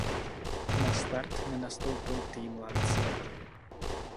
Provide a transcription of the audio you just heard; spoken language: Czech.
Na start nenastoupil tým Lancia.